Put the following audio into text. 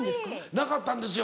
なかったんですよ